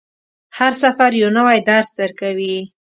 هر سفر یو نوی درس درکوي.